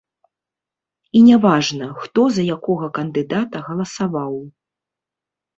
І не важна, хто за якога кандыдата галасаваў.